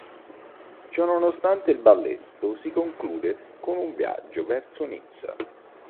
Ciononostante il balletto si conclude con un viaggio verso Nizza.